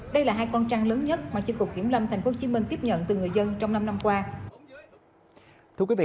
đây là hai con trăng lớn nhất mà chức vụ kiểm lâm tp hcm tiếp nhận từ người dân trong năm năm qua